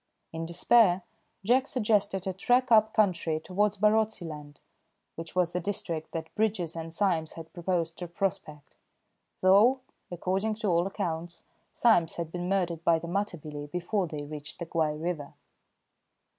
In despair, Jack suggested a trek up country towards Barotseland, which was the district that Bridges and Symes had proposed to prospect, though, according to all accounts, Symes had been murdered by the Matabele before they reached the Guai river.